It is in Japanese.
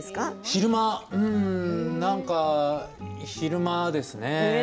昼間、なんか昼間ですね。